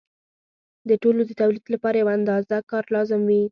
د ټولو د تولید لپاره یوه اندازه کار لازم وي